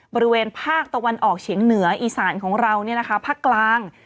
บริเวณภาคตะวันออกเฉียงเหนืออีสานของเราภาคกลาง